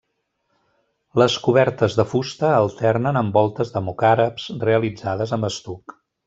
Les cobertes de fusta alternen amb voltes de mocàrabs realitzades amb estuc.